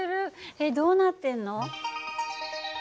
えっどうなってんの？